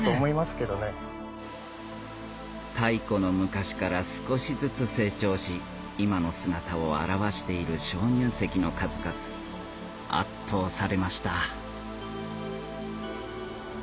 太古の昔から少しずつ成長し今の姿を現している鍾乳石の数々圧倒されました